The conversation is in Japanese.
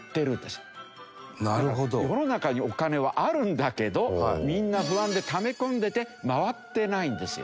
世の中にお金はあるんだけどみんな不安でため込んでて回ってないんですよ。